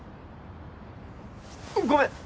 ごめん！